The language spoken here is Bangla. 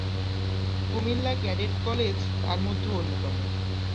কুমিল্লা ক্যাডেট কলেজ তার মধ্যে অন্যতম।